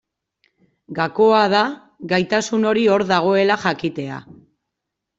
Gakoa da gaitasun hori hor dagoela jakitea.